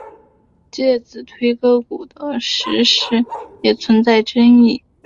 介子推割股的史实也存在争议。